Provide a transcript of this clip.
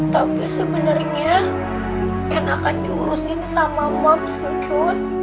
tapi sebenernya enakan diurusin sama mams cucu